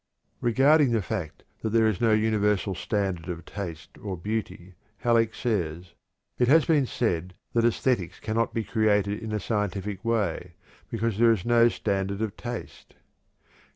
Regarding the fact that there is no universal standard of taste or beauty, Halleck says: "It has been said that æsthetics cannot be treated in a scientific way because there is no standard of taste.